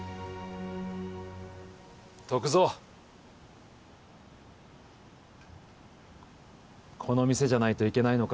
篤蔵この店じゃないといけないのか？